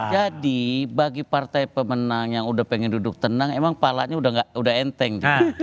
jadi bagi partai pemenang yang udah pengen duduk tenang emang palanya udah enteng